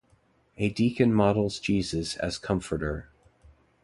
A deacon models Jesus as comforter.